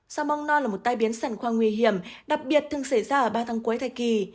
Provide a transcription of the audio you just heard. sào bong non là một tai biến sản khoai nguy hiểm đặc biệt thường xảy ra ở ba tháng cuối thai kỳ